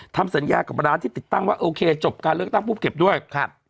ทำสัญญากับร้านที่ติดตั้งว่าโอเคจบการเลือกตั้งปุ๊บเก็บด้วยครับ